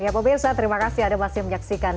ya pemirsa terimakasih ada yang masih menyaksikan